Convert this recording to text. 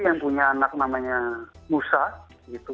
yang punya anak namanya musa gitu